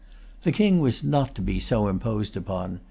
The King was not to be so imposed upon.